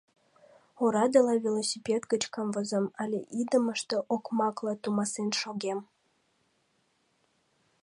Орадыла велосипед гыч камвозам але идымыште окмакла тумасен шогем.